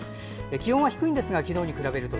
気温は低いんですが昨日に比べると。